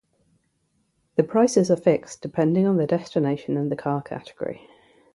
The prices are fixed depending on the destination and the car category.